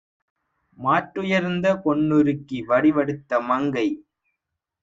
மாற்றுயர்ந்த பொன்னுருக்கி வடிவெடுத்த மங்கை